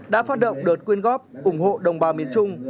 đã phát động đợt quyên góp ủng hộ đồng bào miền trung